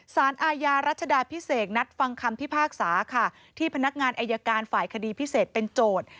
สารอาญารัชดาพิเศษนัดฟังคำพิพากษาค่ะที่พนักงานอายการฝ่ายคดีพิเศษเป็นโจทย์